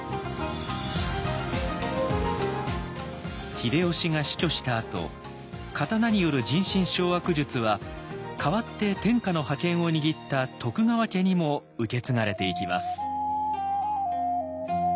秀吉が死去したあと刀による人心掌握術は代わって天下の覇権を握った徳川家にも受け継がれていきます。